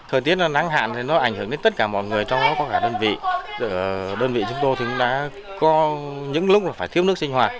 thời tiết nắng hạn thì nó ảnh hưởng đến tất cả mọi người trong đó có cả đơn vị đơn vị chúng tôi thì cũng đã có những lúc là phải thiếu nước sinh hoạt